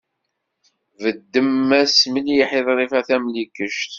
Tbeddem-as mliḥ i Ḍrifa Tamlikect.